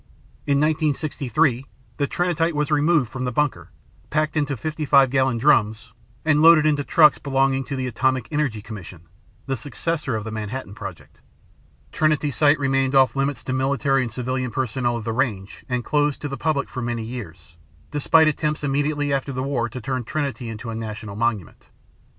In 1963 the Trinitite was removed from the bunker, packed into 55 gallon drums, and loaded into trucks belonging to the Atomic Energy Commission (the successor of the Manhattan Project). Trinity site remained off limits to military and civilian personnel of the range and closed to the public for many years, despite attempts immediately after the war to turn Trinity into a national monument.